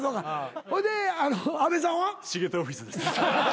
ほいで阿部さんは？茂田オフィスです。